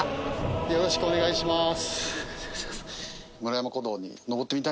よろしくお願いします。